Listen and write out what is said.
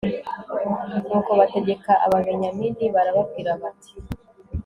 Nuko bategeka Ababenyamini barababwira bati